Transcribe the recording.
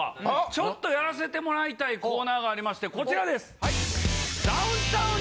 ちょっとやらせて貰いたいコーナーがありましてこちらです。